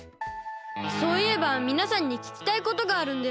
そういえばみなさんにききたいことがあるんです。